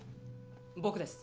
僕です